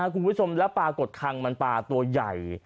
คุณผู้ชมแล้วปลากดคังมันปลาตัวใหญ่